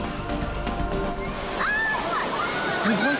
ああ怖い！